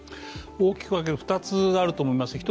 大きく分けると２つあると思います。